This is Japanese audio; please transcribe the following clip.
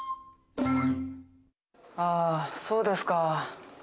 あそうですか。